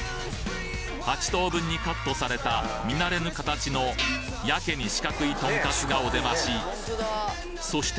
８等分にカットされた見慣れぬ形のやけに四角いとんかつがお出ましそして